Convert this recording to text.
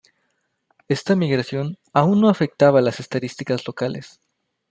Esta migración aún no afectaba las estadísticas locales.